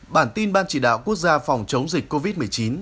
bản tin ban chỉ đạo quốc gia phòng chống dịch covid một mươi chín